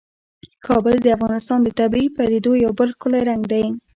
کابل د افغانستان د طبیعي پدیدو یو بل ښکلی رنګ دی.